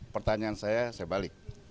pertanyaan saya saya balik